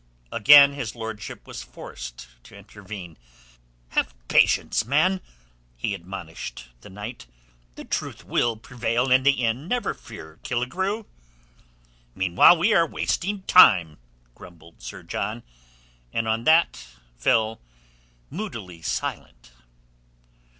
Again his Lordship was forced to intervene. "Have patience, man," he admonished the knight. "The truth will prevail in the end, never fear, Killigrew." "Meanwhile we are wasting time," grumbled Sir John, and on that fell moodily silent.